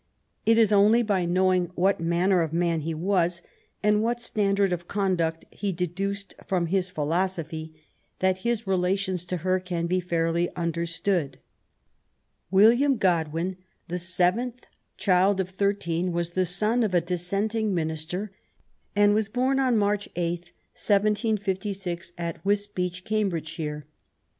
It is only by knowing what manner of man he was^ and what standard of conduct he deduced from hi» philosophy, that bis relations to her can be fairly understood. William Godwin, the seventh child of thirteen^ was the son of a Dissenting minister, and was bom March 8, 175(), at Wisbeach^ Cambridgeshire.